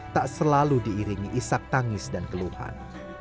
tak selalu diiringi isak tangis dan keluhan